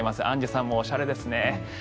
アンジュさんもおしゃれですね。